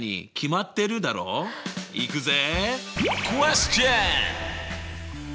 いくぜ！